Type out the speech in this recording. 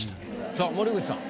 さあ森口さん